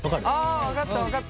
あ分かった分かった。